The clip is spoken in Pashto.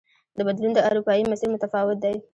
د بدلون دا اروپايي مسیر متفاوت دی.